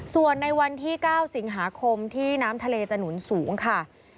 ส่วนในวันที่๙สิงหาคมที่น้ำทะเลจะหนุนสูงค่ะ